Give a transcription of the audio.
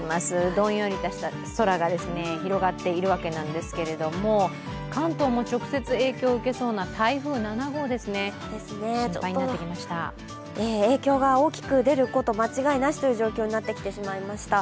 どんよりとした空が広がっているわけなんですけれども関東も直接影響を受けそうな台風７号、影響が大きく出ること間違いなしという状況になってきてしまいました。